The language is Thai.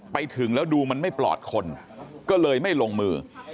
ไปถึงแล้วดูมันไม่ปลอดคนก็เลยไม่ลงมือ